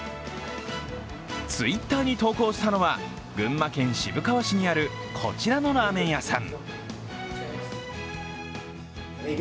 Ｔｗｉｔｔｅｒに投稿したのは、群馬県渋川市にあるこちらのラーメン屋さん。